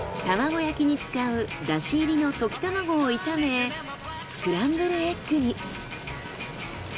玉子焼きに使う出汁入りの溶き卵を炒めスクランブルエッグに。